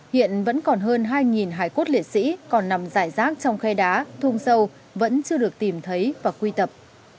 hiện vẫn còn hơn hai hài cốt liệt sĩ còn nằm giải rác trong khe đá thung sâu vẫn chưa được tìm thấy và quy tập